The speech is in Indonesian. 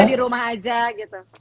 di rumah aja gitu